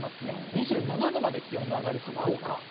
２７度まで気温が上がる日もあります。